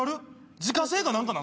自家製かなんかなん？